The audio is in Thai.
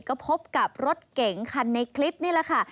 ก็พบกับรถเก๋งคันในคลิปนี่แหละค่ะ